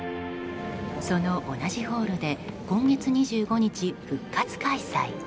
その同じホールで今月２５日、復活開催。